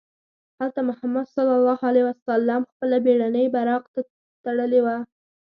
هلته محمد صلی الله علیه وسلم خپله بېړنۍ براق تړلې وه.